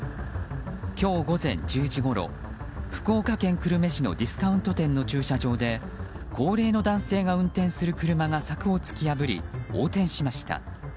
今日午前１０時ごろ福岡県久留米市のディスカウント店の駐車場で高齢の男性が運転する車が柵を突き破り、横転しました。